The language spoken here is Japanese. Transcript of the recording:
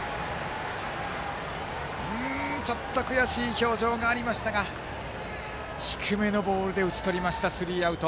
ちょっと悔しい表情がありましたが低めのボールで打ち取りスリーアウト。